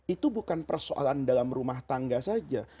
itu bukan persoalan dalam rumah tangga saja